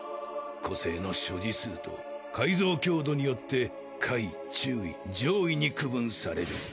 個性の所持数と改造強度によって下位中位上位に区分される。